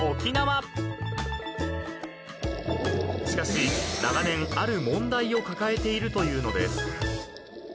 ［しかし長年ある問題を抱えているというのです］